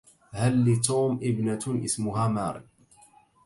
هل لتوم ابنة اسمها ماري؟